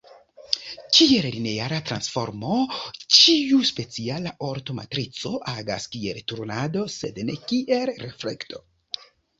Kiel lineara transformo, ĉiu speciala orta matrico agas kiel turnado sed ne kiel reflekto.